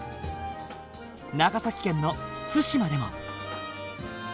長崎県の対馬でも。